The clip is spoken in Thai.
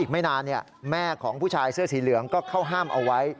ไม่นานแม่ของผู้ชายเสื้อสีเหลืองก็เข้าห้ามเอาไว้